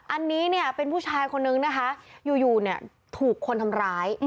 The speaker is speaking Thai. อันนี้เป็นผู้ชายคนนึงนะคะอยู่ถูกคนทำร้าย